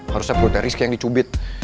harusnya perutnya risk yang dicubit